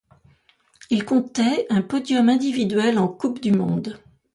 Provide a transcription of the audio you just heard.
Il comptait un podium individuel en Coupe du monde.